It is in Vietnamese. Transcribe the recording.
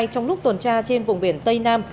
trong lúc tuần tra trên vùng biển tây nam